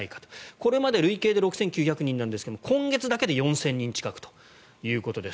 これまで累計で６９００人ですが今月だけで４０００人近いということです。